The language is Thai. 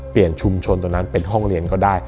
ชุมชนตรงนั้นเป็นห้องเรียนก็ได้